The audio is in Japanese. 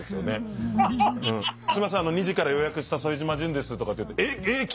「すいません２時から予約した副島淳です」とか言うと「えっえっ君！？」